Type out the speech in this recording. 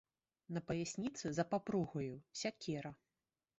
На паясніцы, за папругаю, сякера.